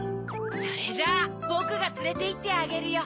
それじゃあぼくがつれていってあげるよ。